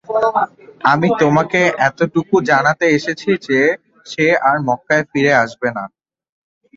আমি তোমাকে এতটুকু জানাতে এসেছি যে, সে আর মক্কায় ফিরে আসবে না।